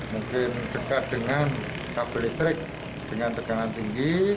mungkin dekat dengan kabel listrik dengan tekanan tinggi